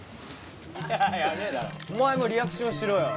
お前もリアクションしろよ